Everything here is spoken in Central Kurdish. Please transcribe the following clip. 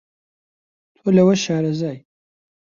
تۆ لەوە شارەزای